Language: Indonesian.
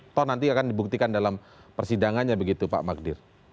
atau nanti akan dibuktikan dalam persidangannya begitu pak magdir